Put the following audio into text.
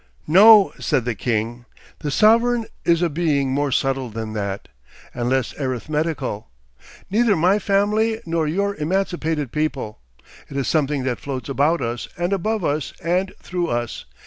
'No!' said the king, 'the sovereign is a being more subtle than that. And less arithmetical. Neither my family nor your emancipated people. It is something that floats about us, and above us, and through us.